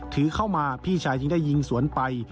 ถือเข้ามาพี่ชายจึงได้ยิงสวนไป